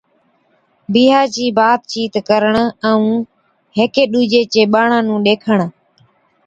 بِيھا چِي بات چِيت ڪرڻ ائُون ھيڪي ڏُوجي چي ٻاڙان نُون ڏيکَڻ